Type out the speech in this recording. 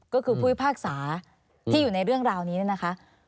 ก็คือผู้พลภาคศาที่อยู่ในเรื่องราวนี้นะคะ